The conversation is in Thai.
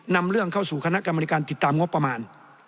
นำเรื่องเข้าสู่คณะกรรมการติดตามงบประมาณ